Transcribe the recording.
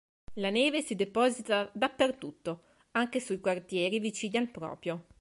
La neve si deposita dappertutto anche sui quartieri vicini al proprio.